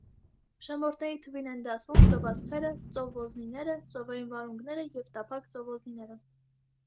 Փշամորթների թվին են դասվում ծովաստղերը, ծովոզնիները, ծովային վարունգները և տափակ ծովոզնիները։